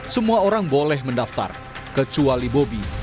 semua orang boleh mendaftar kecuali bobi